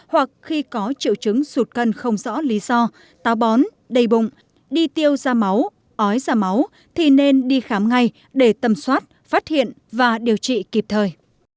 hoặc khi có triệu chứng sụt cân không rõ lý do tàu bón đầy bụng đi tiêu ra máu ói ra máu thì nên đi khám ngay để tâm soát phát hiện và điều trị kịp thời